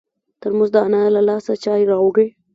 ترموز د انا له لاسه چای راوړي.